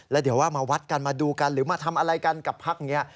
แล้วเดี๋ยวว่ามาวัดกันมาดูกันหรือมาทำอะไรกันกับพักนี้